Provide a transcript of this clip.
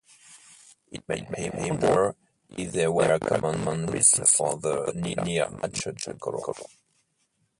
It made him wonder if there were common reasons for the near-matched color.